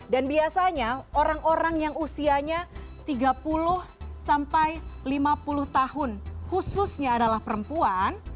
dan biasanya orang orang yang usianya tiga puluh sampai lima puluh tahun khususnya adalah perempuan